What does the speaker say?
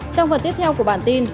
trong phần tiếp theo của bản tin